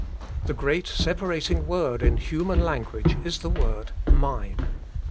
The great separating word in human language is the word Mine.